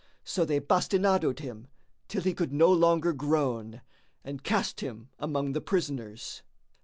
So they bastinadoed him, till he could no longer groan, and cast him among the prisoners.